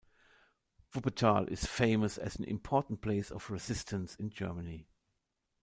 Wuppertal is famous as an important place of resistance in Germany.